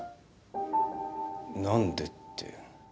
なんでって。